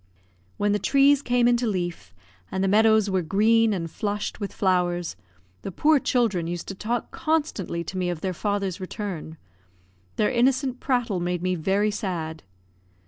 When the trees came into leaf, and the meadows were green and flushed with flowers, the poor children used to talk constantly to me of their father's return; their innocent prattle made me very sad.